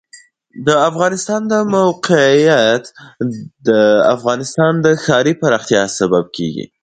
د افغانستان د موقعیت د افغانستان د ښاري پراختیا سبب کېږي.